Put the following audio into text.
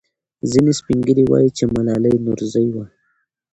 ځینې سپین ږیري وایي چې ملالۍ نورزۍ وه.